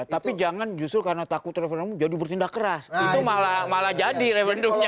tapi jangan justru karena takut referendum jadi bertindak keras itu malah jadi referendumnya